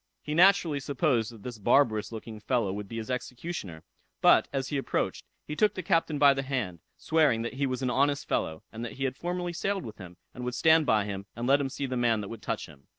He naturally supposed that this barbarous looking fellow would be his executioner; but, as he approached, he took the captain by the hand, swearing "that he was an honest fellow, and that he had formerly sailed with him, and would stand by him; and let him see the man that would touch him."